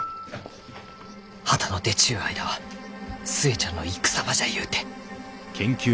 旗の出ちゅう間は寿恵ちゃんの戦場じゃゆうて。